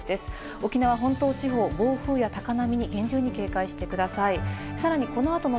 沖縄本島地方、暴風や高波に厳重に警戒してください。